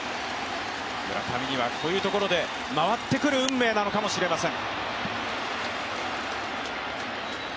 村上にはこういうところで回ってくる運命なのかもしれません。